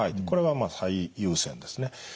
これはまあ最優先ですね。